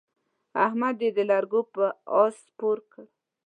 احمد يې د لرګو پر اس سپور کړ.